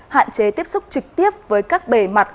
hạn chế tiếp xúc trực tiếp với các bề mặt